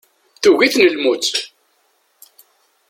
Tugi-ten lmut.